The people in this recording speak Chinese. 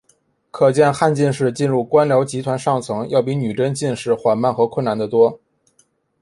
可见汉进士进入官僚集团上层要比女真进士缓慢和困难得多。